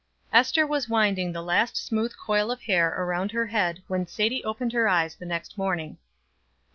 Ester was winding the last smooth coil of hair around her head when Sadie opened her eyes the next morning.